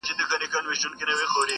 لا ورکه له ذاهدهیاره لار د توبې نه ده,